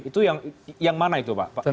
itu yang mana itu pak